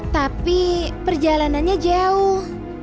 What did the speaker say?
tapi perjalanannya jauh